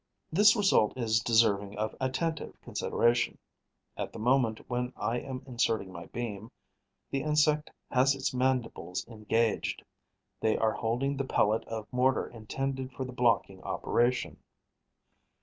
This result is deserving of attentive consideration. At the moment when I am inserting my beam, the insect has its mandibles engaged: they are holding the pellet of mortar intended for the blocking operation.